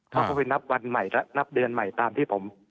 เขาก็ไปนับวันใหม่นับเดือนใหม่ตามที่ผม